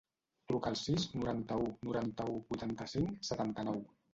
Truca al sis, noranta-u, noranta-u, vuitanta-cinc, setanta-nou.